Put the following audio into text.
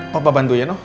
papa bantu ya nino